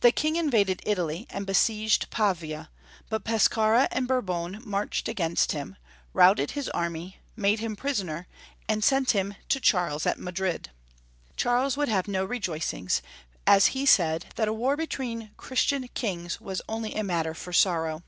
The King invaded Italy and beseiged Pavia, but Pescara and Bourbon marched against him, routed his army, made him prisoner, and sent him to Charles at Madrid. Charles would have no rejoicings, as he said that a war between Christian kings was only a matter for sorrow.